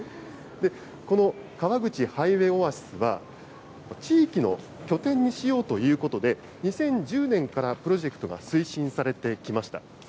この川口ハイウェイオアシスは、地域の拠点にしようということで、２０１０年からプロジェクトが推進されてきました。